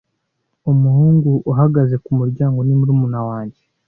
Umuhungu uhagaze kumuryango ni murumuna wanjye.